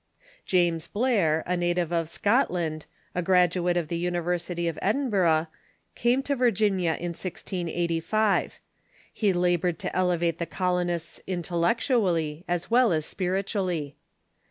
James Blair, a native of Scotland, a graduate of the Uni versity of Edinburgh, came to Virginia in 1685. He labored to elevate the colonists intellectually as well as spiritually.